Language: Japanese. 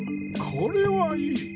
これはいい！